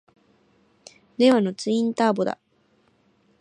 令和のツインターボだ！